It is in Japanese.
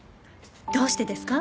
どうしてですか？